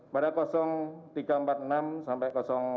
pada tiga empat puluh enam sampai empat empat puluh enam